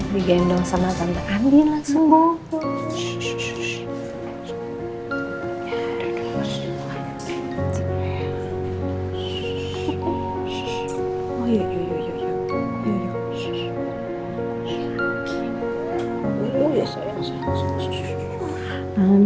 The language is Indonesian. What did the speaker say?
di gendong sama tante andi langsung